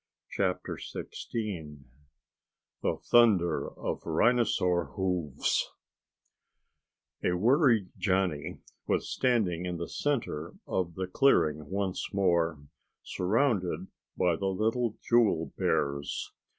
CHAPTER SIXTEEN The Thunder of Rhinosaur Hooves A worried Johnny was standing in the center of the clearing once more, surrounded by the little jewel bears.